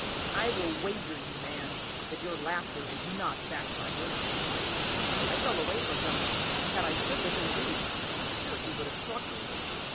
I will wager you, man, that your laughter is not backed by courage!" I fell away from him. Had I stood within reach, I am sure he would have struck me.